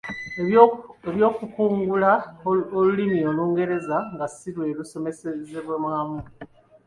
Eby’okukukugula olulimi olungereza nga si lwe lusomeserezebwamu